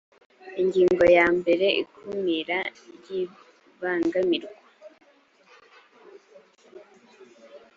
ingingo yambere ikumira ry ibangamirwa